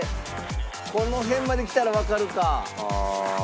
「この辺まで来たらわかるか」